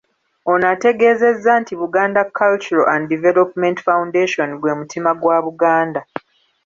Ono ategeezezza nti Buganda Cultural And Development Foundation. gwe mutima gwa Buganda.